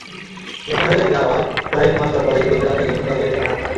পুরোনো হয়ে যাওয়ায় কয়েক মাস পরপর এগুলো মেরামতের জন্য ডকইয়ার্ডে পাঠাতে হয়।